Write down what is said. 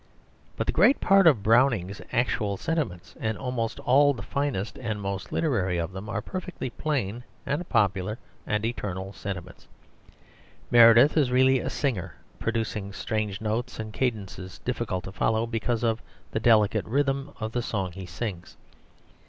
But the great part of Browning's actual sentiments, and almost all the finest and most literary of them, are perfectly plain and popular and eternal sentiments. Meredith is really a singer producing strange notes and cadences difficult to follow because of the delicate rhythm of the song he sings.